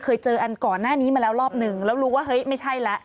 เคยเจออันก่อนหน้านี้มาแล้วรอบหนึ่งแล้วรู้ว่าเฮ้ยไม่ใช่แล้ว